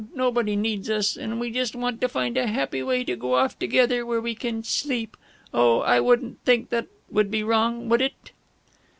Nobody needs us and we just want to find a happy way to go off together where we can sleep! Oh, I wouldn't think that would be wrong, would it?"